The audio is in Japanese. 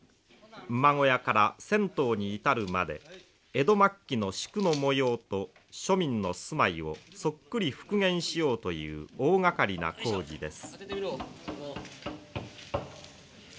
馬小屋から銭湯に至るまで江戸末期の宿の模様と庶民の住まいをそっくり復元しようという大がかりな工事です。